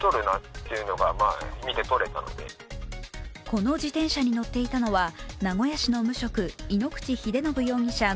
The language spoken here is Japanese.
この自転車に乗っていたのは名古屋市の無職井ノ口秀信容疑者